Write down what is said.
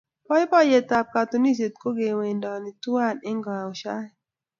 boiboiyet ab katunisiet kiwendonu twaii eng koashoet